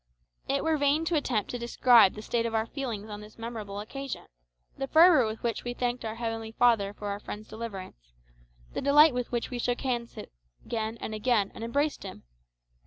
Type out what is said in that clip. It were vain to attempt to describe the state of our feelings on this memorable occasion the fervour with which we thanked our heavenly Father for our friend's deliverance the delight with which we shook his hands, again and again, and embraced him.